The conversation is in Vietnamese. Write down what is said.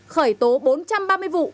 khởi tố bốn trăm ba mươi vụ